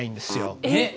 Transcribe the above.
えっ！？